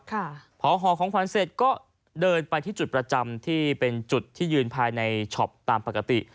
ค่ะพอห่อของขวัญเสร็จก็เดินไปที่จุดประจำที่เป็นจุดที่ยืนภายในช็อปตามปกติ